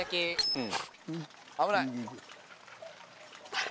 うん！